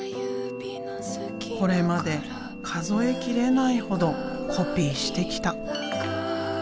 これまで数えきれないほどコピーしてきた。